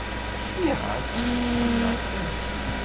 Nniɣ-as: Ḥemmleɣ-kem.